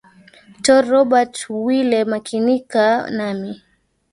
tor robert wile makinika nami